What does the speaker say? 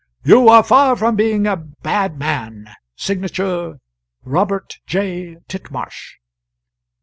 "'You are far from being a bad man ' Signature, 'Robert J. Titmarsh.'"